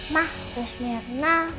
mah sus mirna